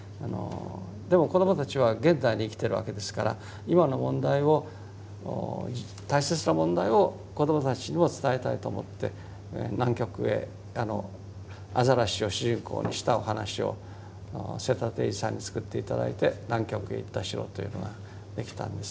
でも子どもたちは現代に生きてるわけですから今の問題を大切な問題を子どもたちにも伝えたいと思って南極へアザラシを主人公にしたお話を瀬田貞二さんに作って頂いて「なんきょくへいったしろ」というのができたんです。